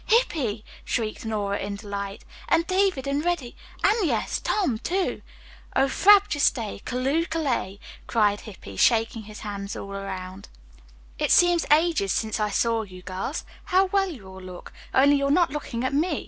"Hippy!" shrieked Nora in delight. "And David and Reddy, and yes Tom, too!" "'Oh, frabjous day, calloooh, callay,'" cried Hippy shaking hands all around. "It seems ages since I saw you girls. How well you all look, only you're not looking at me.